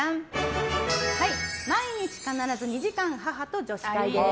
毎日必ず２時間母と女子会です。